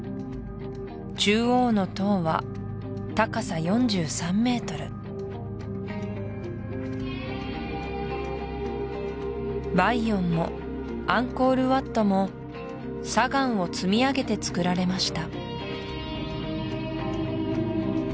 中央の塔は高さ４３ｍバイヨンもアンコール・ワットも砂岩を積み上げてつくられました